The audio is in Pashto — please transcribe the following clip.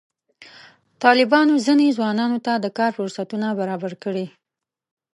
طالبانو ځینو ځوانانو ته د کار فرصتونه برابر کړي.